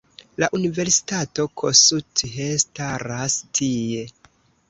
La Universitato Kossuth staras tie.